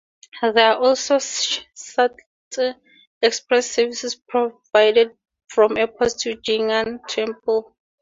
There are also Shuttle Express Service provided from airports to Jing'an Temple.